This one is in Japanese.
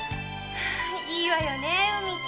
いいわよね海って。